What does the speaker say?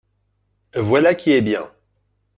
Voilà qui est bien